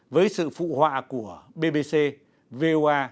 với sự phụ họa của bbc who